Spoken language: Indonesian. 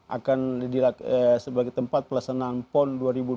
akan sebagai tempat pelaksanaan pon dua ribu dua puluh